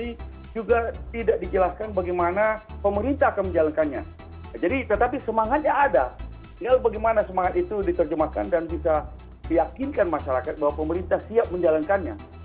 jadi semangatnya ada tinggal bagaimana semangat itu diterjemahkan dan bisa meyakinkan masyarakat bahwa pemerintah siap menjalankannya